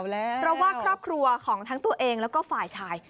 เพราะว่าครอบครัวของทั้งตัวเองแล้วก็ฝ่ายชาย